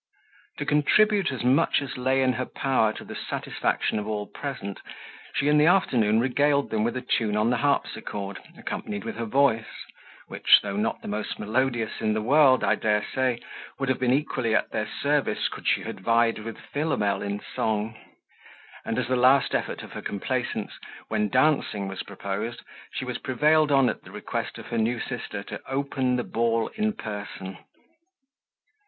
To contribute as much as lay in her power to the satisfaction of all present, she in the afternoon regaled them with a tune on the harpsichord, accompanied with her voice, which, though not the most melodious in the world, I dare say, would have been equally at their service could she have vied with Philomel in song; and as the last effort of her complaisance, when dancing was proposed, she was prevailed on, at the request of her new sister, to open the ball in person.